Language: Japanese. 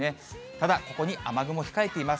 ただ、ここに雨雲控えています。